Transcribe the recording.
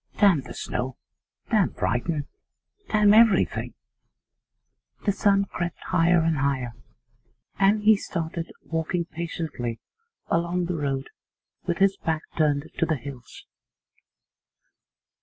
Damn the snow, damn Brighton, damn everything!' The sun crept higher and higher, and he started walking patiently along the road with his back turned to the hills.